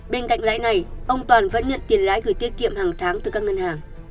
bên cạnh lãi này ông toàn vẫn nhận tiền lãi gửi tiết kiệm hàng tháng từ các ngân hàng